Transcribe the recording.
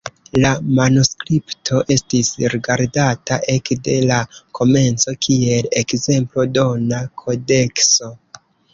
La manuskripto estis rigardata ekde la komenco kiel ekzemplo-dona kodekso.